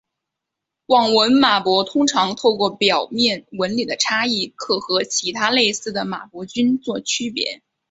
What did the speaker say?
网纹马勃通常透过表面纹理的差异可和其他类似的马勃菌作区别。